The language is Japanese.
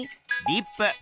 リップ。